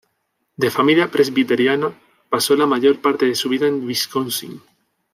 De familia presbiteriana, pasó la mayor parte de su vida en Wisconsin.